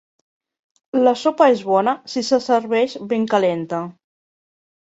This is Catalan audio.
La sopa és bona si se serveix ben calenta.